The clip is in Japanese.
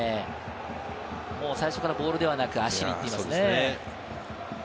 最初からボールではなく足に行っていますね。